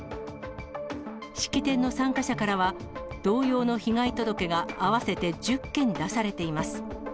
式典の参加者からは、同様の被害届が合わせて１０件出されています。